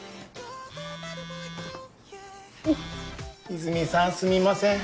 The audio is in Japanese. いづみさんすみません。